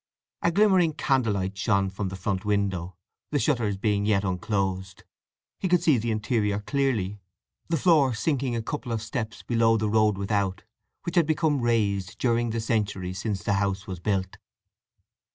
A glimmering candlelight shone from a front window, the shutters being yet unclosed. He could see the interior clearly—the floor sinking a couple of steps below the road without, which had become raised during the centuries since the house was built.